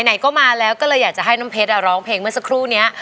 ไหนก็มาแล้วก็เลยอยากจะให้น้ำเพชรร้องเพลงเมื่อสักครู่นี้